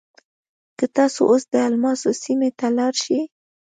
که تاسو اوس د الماسو سیمې ته لاړ شئ.